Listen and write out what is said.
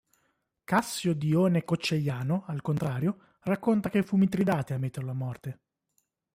Cassio Dione Cocceiano, al contrario, racconta che fu Mitridate a metterlo a morte.